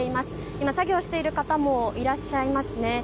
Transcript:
今、作業している方もいらっしゃいますね。